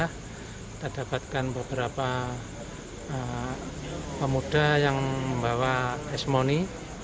kita dapatkan beberapa pemuda yang membawa es moni